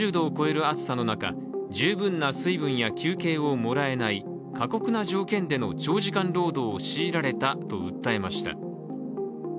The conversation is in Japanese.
４０度を超える暑さの中、十分な水分や求刑をもらえない、過酷な条件での長時間労働を強いられたと訴えました。